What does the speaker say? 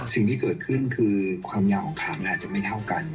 สิ่งที่เกิดขึ้นคือความยาวของขังอาจจะไม่เท่ากัน